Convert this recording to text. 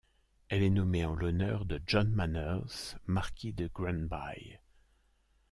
Elle est nommée en l'honneur de John Manners, marquis de Granby.